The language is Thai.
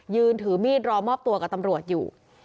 ยืนถือมีดรอมอบตัวกับตำรวจอยู่